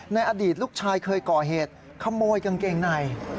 อดีตลูกชายเคยก่อเหตุขโมยกางเกงใน